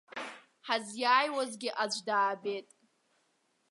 Ҳазиааиуазгьы аӡә даабеит.